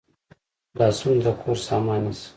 لاسونه د کور سامان نیسي